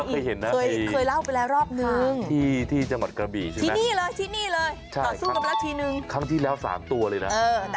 เกิดเล่าไปแล้วรอบนึงที่นี่เลยตอนสู้กับเราทีนึงครั้งที่แล้วซ้ำตัวเลยนะ